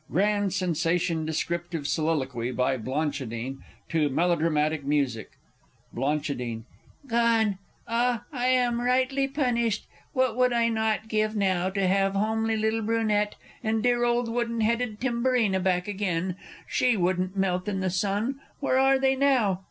_ Grand Sensation Descriptive Soliloquy, by BLANCHIDINE, to Melodramatic Music. Bl. Gone! Ah, I am rightly punished! What would I not give now to have homely little Brunette, and dear old wooden headed Timburina back again! She wouldn't melt in the sun.... Where are they now?